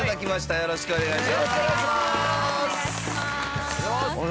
よろしくお願いします。